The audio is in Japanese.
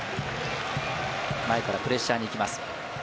前からプレッシャーに行きます。